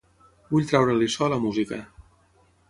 Vull treure-li so a la música.